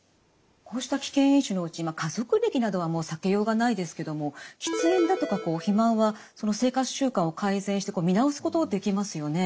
こうした危険因子のうち家族歴などはもう避けようがないですけども喫煙だとか肥満は生活習慣を改善して見直すことできますよね？